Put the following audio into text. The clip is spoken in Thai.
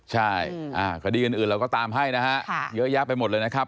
ใช่คดีอื่นเราก็ตามให้นะฮะเยอะแยะไปหมดเลยนะครับ